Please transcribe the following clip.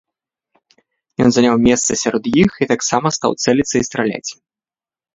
Ён заняў месца сярод іх і таксама стаў цэліцца і страляць.